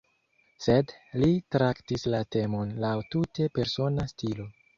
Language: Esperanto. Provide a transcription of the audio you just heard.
Sed li traktis la temon laŭ tute persona stilo.